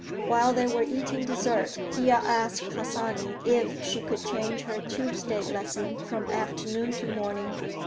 While they were eating dessert, Thea asked Harsanyi if she could change her Tuesday lesson from afternoon to morning.